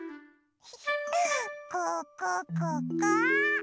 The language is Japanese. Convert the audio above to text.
ここここ！